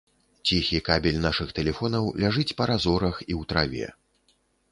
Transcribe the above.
Ціхі кабель нашых тэлефонаў ляжыць па разорах і ў траве.